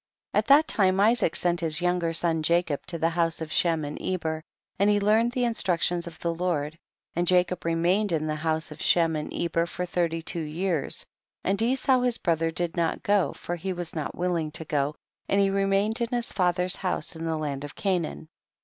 18. At that time Isaac sent his younger son Jacob to the house of ^hem and Eber, and he learned the instructions of the Lord, and Jacob remained in the house of Shem and Eber for thirty two years, and Esau his brother did not go, for he was not willing to go, and he remained in his father's house in the land of Ca naan.